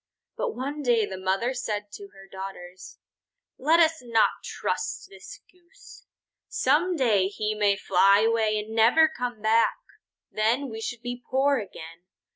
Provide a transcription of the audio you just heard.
But one day the mother said to her daughters: "Let us not trust this Goose. Some day he may fly away and never come back. Then we should be poor again.